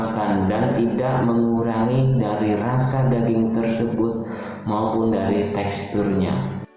kandang tidak mengurangi dari rasa daging tersebut maupun dari teksturnya